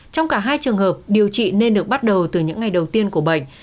trong cả hai trường hợp điều trị nên được bắt đầu từ những ngày đầu tiên của bệnh